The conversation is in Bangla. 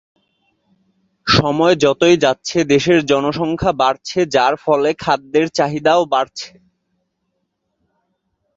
সময় যতই যাচ্ছে দেশের জনসংখ্যা বাড়ছে যার ফলে খাদ্যের চাহিদাও বাড়ছে।